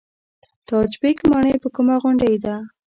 تاج بیګ ماڼۍ په کومه غونډۍ ده؟